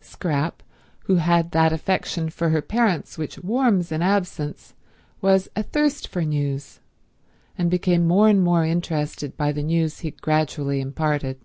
Scrap, who had that affection for her parents which warms in absence, was athirst for news, and became more and more interested by the news he gradually imparted.